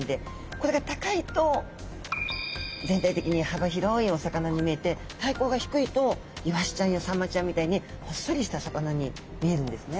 これが高いと全体的に幅広いお魚に見えて体高が低いとイワシちゃんやサンマちゃんみたいにほっそりした魚に見えるんですね。